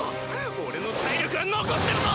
俺の体力は残ってるぞ！